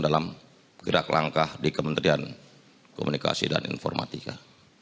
dalam gerak langkah di kementerian komunikasi dan informatika